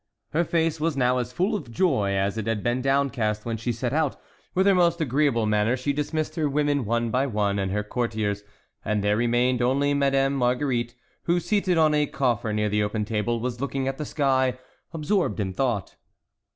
Her face was now as full of joy as it had been downcast when she set out. With her most agreeable manner she dismissed her women one by one and her courtiers, and there remained only Madame Marguerite, who, seated on a coffer near the open window, was looking at the sky, absorbed in thought.